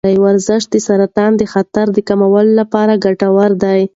ورزش د سرطان د خطر کمولو لپاره ګټور دی.